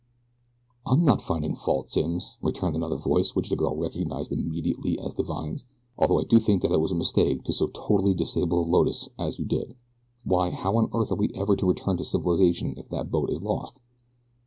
"I'm not finding fault, Simms," returned another voice which the girl recognized immediately as Divine's; "although I do think that it was a mistake to so totally disable the Lotus as you did. Why, how on earth are we ever to return to civilization if that boat is lost?